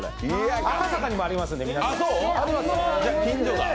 赤坂にもありますので、皆さん。